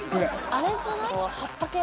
あれじゃない？